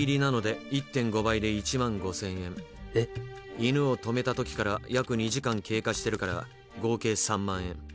犬を止めた時から約２時間経過してるから合計３万円。